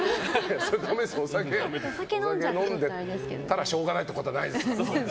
お酒飲んでたらしょうがないってことないです。